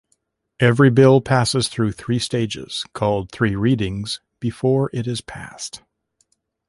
Every Bill passes through three stages-called three readings-before it is passed.